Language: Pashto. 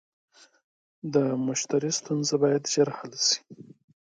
د مشتری ستونزه باید ژر حل شي.